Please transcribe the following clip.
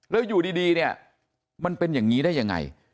แล้วอยู่ดีเนี่ยมันเป็นอย่างนี้ได้ยังไง